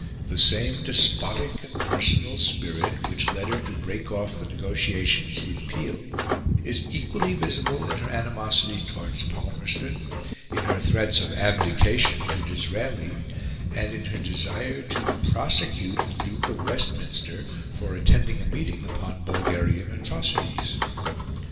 The same despotic and personal spirit which led her to break off the negotiations with Peel is equally visible in her animosity towards Palmerston, in her threats of abdication to Disraeli, and in her desire to prosecute the Duke of Westminster for attending a meeting upon Bulgarian atrocities.